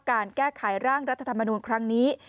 การแก้ไขร่างรัฐธรรมนูลครั้งนี้